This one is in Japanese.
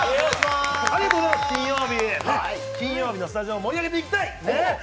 金曜日のスタジオを盛り上げていきたいっ。